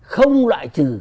không lại trừ